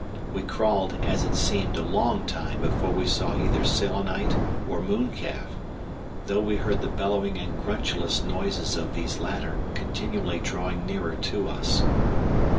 We crawled, as it seemed, a long time before we saw either Selenite or mooncalf, though we heard the bellowing and gruntulous noises of these latter continually drawing nearer to us.